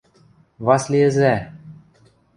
– Васли ӹзӓ...